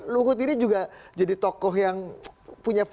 luhut ini juga jadi tokoh yang punya